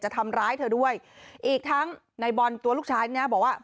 ทำร้ายเธอด้วยอีกทั้งในบอลตัวลูกชายเนี่ยบอกว่า